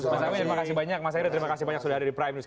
terima kasih banyak mas andri terima kasih banyak sudah ada di prime news